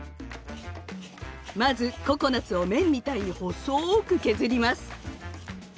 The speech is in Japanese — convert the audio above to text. まずココナツを麺みたいに細く削ります。